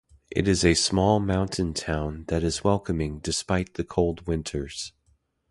It is a small mountain town that is welcoming despite the cold winters.